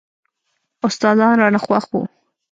استادان رانه خوښ وو.